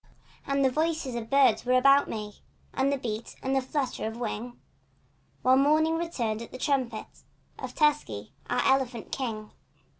And the voices of birds were about me— And the beat and the flutter of wing; While morning returned at the trumpet Of Tusky, our elephant king.